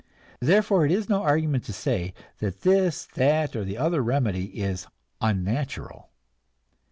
Therefore, it is no argument to say that this, that, or the other remedy is "unnatural."